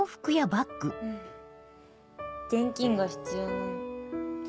うん現金が必要なの。